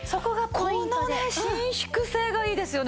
このね伸縮性がいいですよね。